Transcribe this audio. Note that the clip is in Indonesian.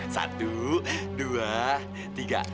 satu dua tiga